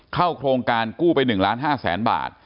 เข้าโครงการกู้ไป๑ล้าน๕แสนบาท